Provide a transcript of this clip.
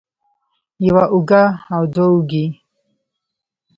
يوه اوږه او دوه اوږې